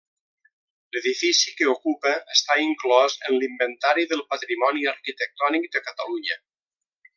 L'edifici que ocupa està inclòs en l'Inventari del Patrimoni Arquitectònic de Catalunya.